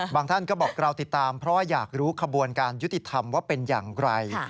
ท่านก็บอกเราติดตามเพราะว่าอยากรู้ขบวนการยุติธรรมว่าเป็นอย่างไร